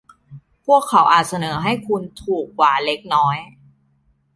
พวกเขาอาจเสนอให้คุณถูกกว่าเล็กน้อย